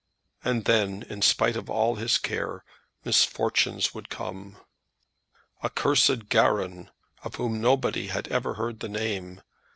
And then, in spite of all his care, misfortunes would come. "A cursed garron, of whom nobody had ever heard the name!